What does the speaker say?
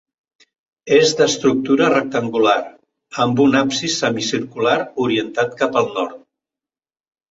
És d'estructura rectangular amb un absis semicircular orientat cap al nord.